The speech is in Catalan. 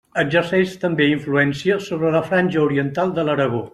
Exerceix també influència sobre la franja oriental de l'Aragó.